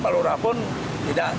pak lura pun tidak